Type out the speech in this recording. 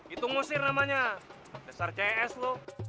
itu ngusir namanya besar ces lo